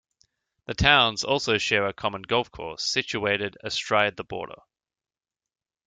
The towns also share a common golf course, situated astride the border.